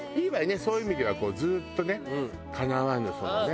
そういう意味ではずっとね叶わぬそのね